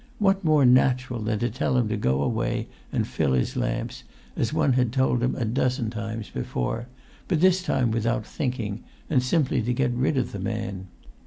What more natural than to tell him to go away and fill his lamps, as one had told him a dozen times before, but this time without thinking and simply to get rid of the man?